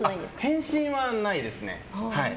返信はないですね。